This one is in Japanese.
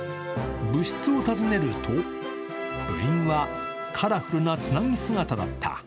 部室を訪ねると、部員はカラフルなつなぎ姿だった。